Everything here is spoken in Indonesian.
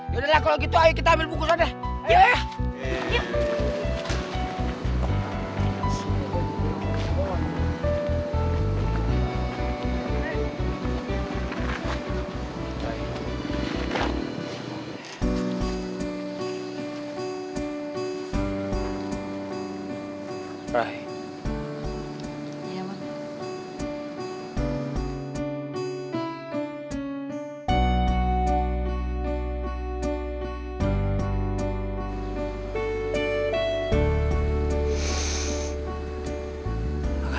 yaudah lah kalau gitu ayo kita ambil bungkusan deh